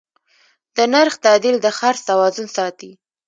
د نرخ تعدیل د خرڅ توازن ساتي.